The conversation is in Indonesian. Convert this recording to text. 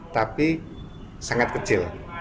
tapi sangat kecil